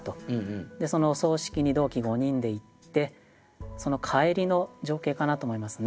でそのお葬式に同期五人で行ってその帰りの情景かなと思いますね。